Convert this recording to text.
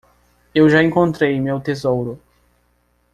Eu já encontrei meu tesouro.